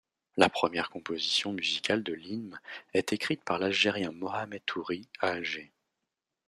La première composition musicale de l'hymne est écrite par l'Algérien Mohamed Touri, à Alger.